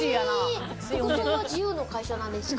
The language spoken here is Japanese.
服装は自由の会社なんですか？